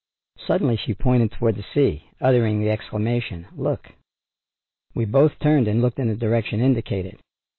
Suddenly she pointed out toward the sea, uttering the exclamation, "look." We both turned and looked in the direction indicated.